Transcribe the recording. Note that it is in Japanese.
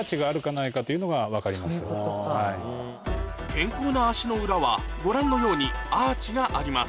健康な足の裏はご覧のようにアーチがあります